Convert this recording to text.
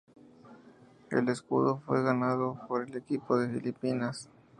El Escudo fue ganado por el equipo de Filipinas.